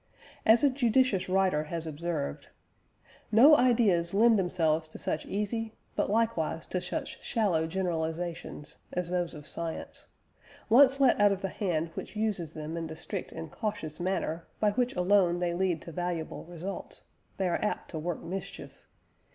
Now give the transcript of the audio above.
As a judicious writer has observed: "No ideas lend themselves to such easy, but likewise to such shallow generalisations as those of science. Once let out of the hand which uses them in the strict and cautious manner by which alone they lead to valuable results, they are apt to work mischief.